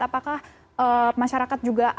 apakah masyarakat juga akan sikap